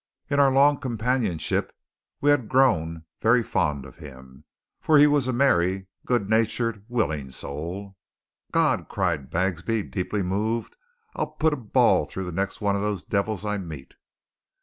In our long companionship we had grown very fond of him, for he was a merry, good natured, willing soul. "God!" cried Bagsby, deeply moved. "I'll put a ball through the next one of those devils I meet!"